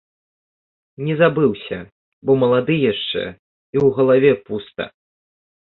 Не забыўся, бо малады яшчэ і ў галаве пуста.